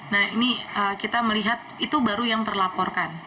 nah ini kita melihat itu baru yang terlaporkan